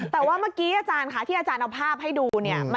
แต่ว่าเมื่อกี้อาจารย์ค่ะที่อาจารย์เอาภาพให้ดูเนี่ย